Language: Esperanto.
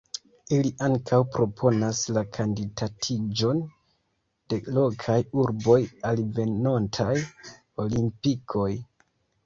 Ili ankaŭ proponas la kandidatiĝon de lokaj urboj al venontaj Olimpikoj.